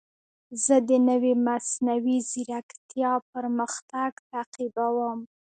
زه د نوې مصنوعي ځیرکتیا پرمختګ تعقیبوم.